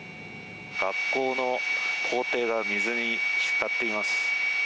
学校の校庭が水に浸っています。